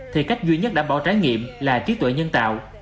thì cách duy nhất đảm bảo trái nghiệm là trí tuệ nhân tạo